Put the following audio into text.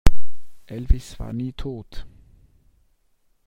Elvis war nie tot.